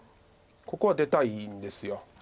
ここは出たいんです。